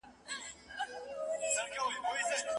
زموږه مرديت لکه عادت له مينې ژاړي